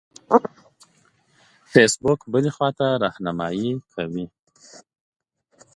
فیسبوک بلې خواته رهنمایي کوي.